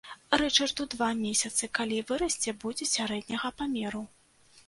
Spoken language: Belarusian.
Рычарду два месяцы, калі вырасце, будзе сярэдняга памеру.